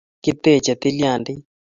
Kiteche tilyandit